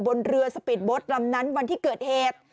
บนเรือสปีดโบ๊ทลำนั้นวันที่เกิดเหตุ